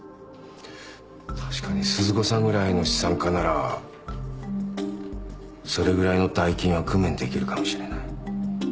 確かに鈴子さんぐらいの資産家ならそれぐらいの大金は工面できるかもしれない。